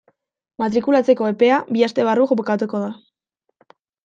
Matrikulatzeko epea bi aste barru bukatuko da.